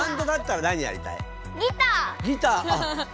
ギター！